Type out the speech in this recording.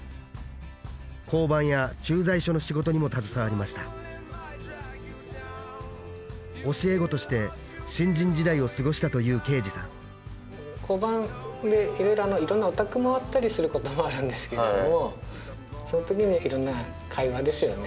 交番や駐在所の仕事にも携わりました教え子として新人時代を過ごしたという刑事さん交番っていろんなお宅回ったりすることもあるんですけどもそのときにいろんな会話ですよね